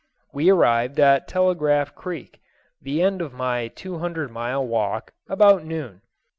We arrived at Telegraph Creek, the end of my two hundred mile walk, about noon.